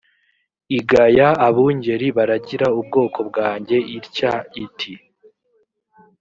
igaya abungeri baragira ubwoko bwanjye itya iti